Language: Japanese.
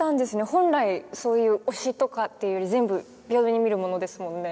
本来そういう推しとかっていうより全部平等に見るものですもんね。